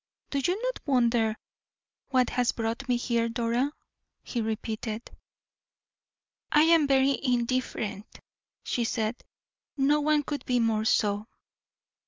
"Do you not wonder what has brought me here, Dora?" he repeated. "I am very indifferent," she said; "no one could be more so."